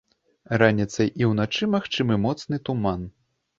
Раніцай і ўначы магчымы моцны туман.